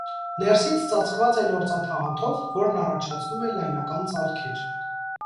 Ներսից ծածկված է լորձաթաղանթով, որն առաջացնում է լայնական ծալքեր։